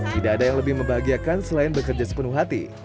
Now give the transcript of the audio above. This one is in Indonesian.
tidak ada yang lebih membahagiakan selain bekerja sepenuh hati